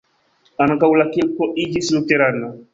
Ankaŭ la kirko iĝis luterana.